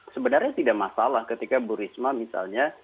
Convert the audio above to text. sebenarnya tidak masalah ketika bu risma misalnya